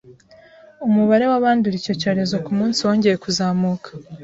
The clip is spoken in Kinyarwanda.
umubare w’abandura icyo cyorezo ku munsi wongeye kuzamuka,